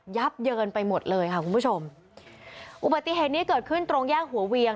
ยับเยินไปหมดเลยค่ะคุณผู้ชมอุปสรรค์อันตรงแย่งหัวเวียง